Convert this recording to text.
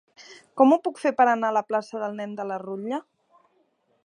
Com ho puc fer per anar a la plaça del Nen de la Rutlla?